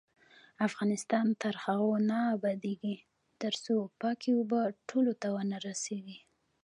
افغانستان تر هغو نه ابادیږي، ترڅو پاکې اوبه ټولو ته ونه رسیږي.